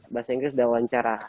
bahasa inggris dan wawancara